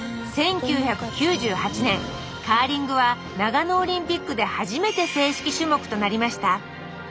１９９８年カーリングは長野オリンピックで初めて正式種目となりました。